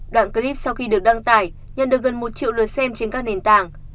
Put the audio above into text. đoạn clip sau khi được đăng tải nhận được gần một triệu lượt xem trên các nền tảng